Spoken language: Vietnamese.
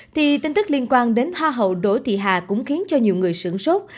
thì tin tức liên quan đến hoa hậu đỗ thị hà cũng khiến cho nhiều người sưởng sốt